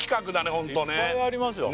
ホントねいっぱいありますよ